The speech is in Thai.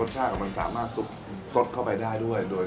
รสชาติออกมันสามารถซุดข้อมีในได้ด้วย